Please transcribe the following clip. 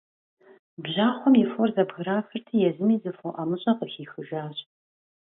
Бжьахъуэм и фор зэбграхырти, езыми зы фо ӀэмыщӀэ къыхихыжащ.